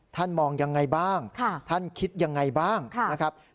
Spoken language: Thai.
ท่านมองยังไงบ้างท่านคิดยังไงบ้างนะครับโอเคค่ะ